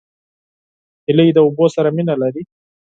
هیلۍ د اوبو سره مینه لري